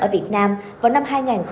ở việt nam vào năm hai nghìn năm mươi